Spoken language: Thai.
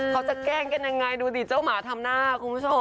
แกล้งกันยังไงดูดิเจ้าหมาทำหน้าคุณผู้ชม